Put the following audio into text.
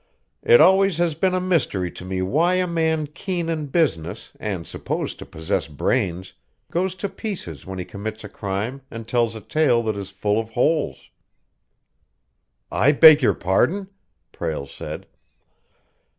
"It always has been a mystery to me why a man keen in business and supposed to possess brains goes to pieces when he commits a crime and tells a tale that is full of holes." "I beg your pardon!" Prale said.